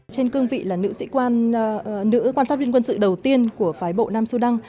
trên cương vị là nữ sĩ quan nữ quan sát viên quân sự đầu tiên của phái bộ nam sudan